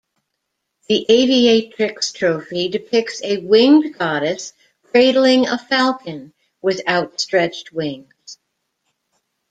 The aviatrix trophy depicts a winged goddess cradling a falcon with outstretched wings.